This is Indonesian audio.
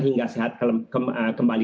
hingga sehat kembali